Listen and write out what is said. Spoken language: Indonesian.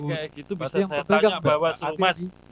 gitu bisa saya tanya bawaslu mas